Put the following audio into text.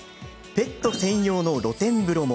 ペット専用の露天風呂も。